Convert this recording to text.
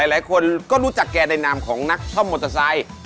หลายคนก็รู้จักแกในนามของนักซ่อมมอเตอร์ไซค์